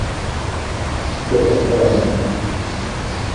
Всё по старому?